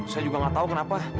saya juga gak tau kenapa